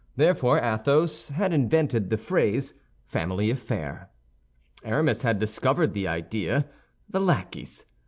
Therefore Athos had invented the phrase, family affair. Aramis had discovered the idea, the lackeys.